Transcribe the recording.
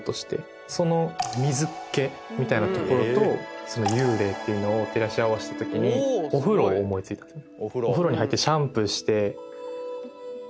その「水っけ」みたいなところと幽霊っていうのを照らし合わせた時にお風呂を思い付いたんですよね。